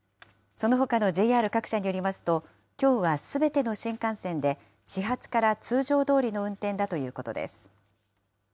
そのほかのＪＲ各社によりますと、きょうはすべての新幹線で、始発から通常どおりの運転だということです。